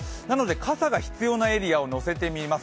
傘が必要なエリアを載せてみます。